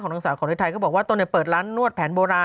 ของทางสาวของนายไทยก็บอกว่าต้นจะเปิดร้านนวดแผนโบราณ